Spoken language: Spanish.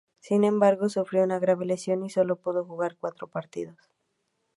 Sin embargo, sufrió una grave lesión y solo pudo jugar cuatro partidos.